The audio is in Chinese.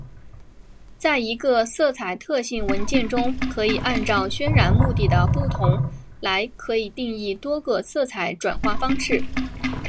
在一个色彩特性文件中可以按照渲染目的的不同来可以定义多个色彩转换方式。